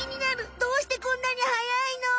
どうしてこんなにはやいの？